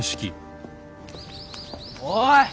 おい！